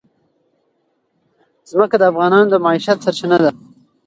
ځمکه د افغانانو د معیشت سرچینه ده.